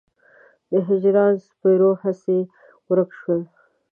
د هجران سپرو هسې ورک شول.